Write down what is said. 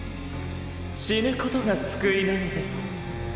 死ぬことが救いなのです。